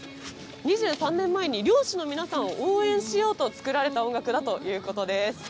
２３年前に漁師の皆さんを応援しようと作られた音楽だということです。